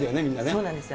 そうなんですよ。